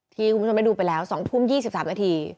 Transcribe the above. ที่มุมจรไปดูไปแล้ว๒ทุ่ม๒๓นาที